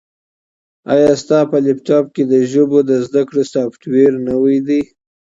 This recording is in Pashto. ایا ستا په لیپټاپ کي د ژبو د زده کړې سافټویر نوی دی؟